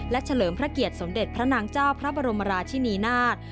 และเฉลิมพระเกียรติสมเด็จพระนางเจ้าพระบรมราชินีนาฏ